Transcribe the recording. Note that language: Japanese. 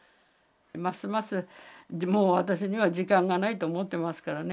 ますます、もう私には時間がないと思っていますからね。